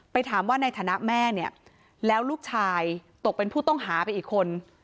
ถามว่าในฐานะแม่เนี่ยแล้วลูกชายตกเป็นผู้ต้องหาไปอีกคน